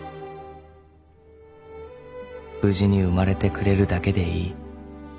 ［無事に生まれてくれるだけでいい］